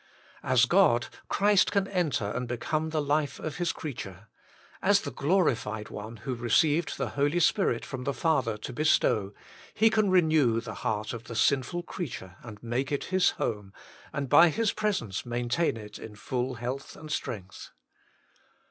As God, Christ can enter and become the life of His creature. As the Glorified One who received the Holy Spirit from the Father to bestow, He can renew the heart of the sinful creature and make it His home, and by His presence main tain it in full health and strength.